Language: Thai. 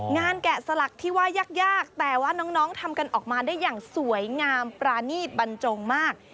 แกะสลักที่ว่ายากแต่ว่าน้องทำกันออกมาได้อย่างสวยงามปรานีตบรรจงมาก